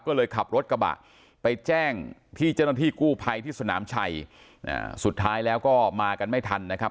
ก็เลยขับรถกระบะไปแจ้งที่เจ้าหน้าที่กู้ภัยที่สนามชัยอ่าสุดท้ายแล้วก็มากันไม่ทันนะครับ